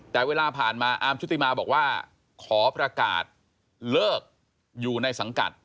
แต่เวลาผ่านมาอาร์มชุติมาบอกว่าขอประกาศเลิกอยู่ในสังกัด